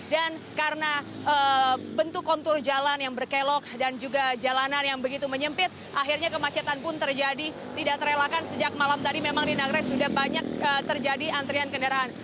dan karena bentuk kontur jalan yang berkelok dan juga jalanan yang begitu menyempit akhirnya kemacetan pun terjadi tidak terelakkan sejak malam tadi memang di nagrek sudah banyak terjadi antrian kendaraan